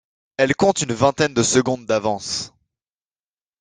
Elles comptent une vingtaine de secondes d'avance.